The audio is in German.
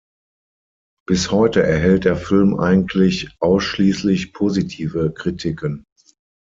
Bis heute erhält der Film eigentlich ausschließlich positive Kritiken.